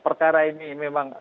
perkara ini memang